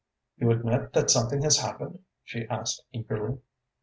"You admit that something has happened?" she asked eagerly.